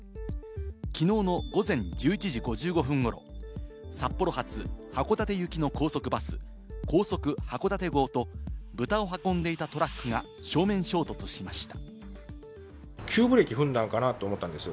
きのうの午前１１時５５分ごろ、札幌発函館行きの高速バス「高速はこだて号」と豚を運んでいたトラックが正面衝突しました。